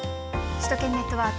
首都圏ネットワーク。